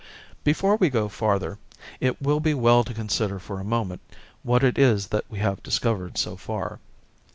Before we go farther it will be well to consider for a moment what it is that we have discovered so far.